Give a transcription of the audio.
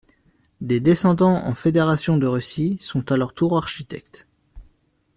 Des descendants en Fédération de Russie sont à leur tour architectes.